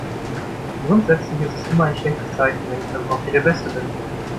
Grundsätzlich ist es immer ein schlechtes Zeichen, wenn ich beim Hockey der Beste bin.